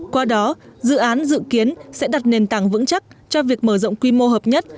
qua đó dự án dự kiến sẽ đặt nền tảng vững chắc cho việc mở rộng quy mô hợp nhất